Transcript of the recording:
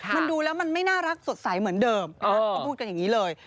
มันดูแล้วมันไม่น่ารักสดใสเหมือนเดิมก็พูดกันอย่างนี้เลย